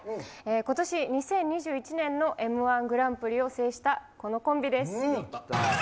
ことし２０２１年のＭー１グランプリを制した、このコンビです。